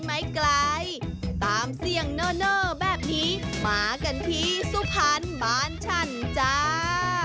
ไม่ไกลตามเสี่ยงเนอร์แบบนี้มากันที่สุพรรณบ้านฉันจ้า